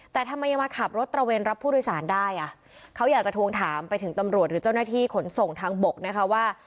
แต่ทำไมยังมาขับรถตระเวนรับผู้โดยสารได้อ่ะเขาอยากจะทวงถามไปถึงตำรวจหรือเจ้าหน้าที่ขนส่งทางบกนะคะว่า